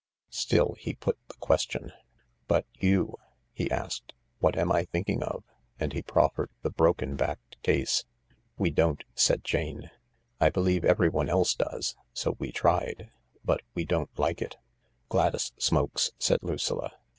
Still, he put the question. " But you ?" he asked. " What am I thinking of ?" and he proffered the broken backed case. "We don't," said Jane. "I believe everyone else does, so we tried. But we don't like it." " Gladys smokes," said Lucilla.